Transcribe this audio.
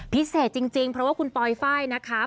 พิเศษจริงเพราะว่าคุณปลอยไฟล์นะคะ